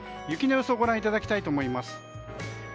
雪の予想をご覧いただきたいと思います。